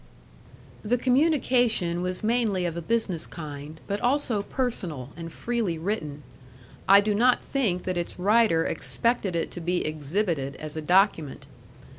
The communication was mainly of a business kind, but also personal, and freely written. I do not think that its writer expected it to be exhibited as a document.